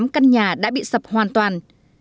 hai mươi tám căn nhà đã bị sập hoàn toàn